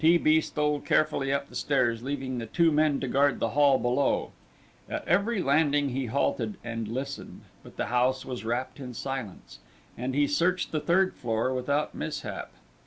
T. B. stole carefully up the stairs, leaving the two men to guard the hall below. At every landing he halted, and listened, but the house was wrapped in silence, and he searched the third floor without mishap.